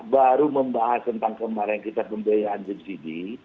baru membahas tentang kemarin kita pembiayaan subsidi